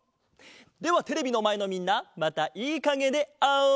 ではテレビのまえのみんなまたいいかげであおう！